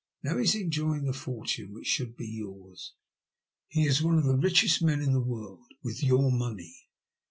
Now he is enjoying the fortune which should be yours. He is one of the richest men in the world — with your money.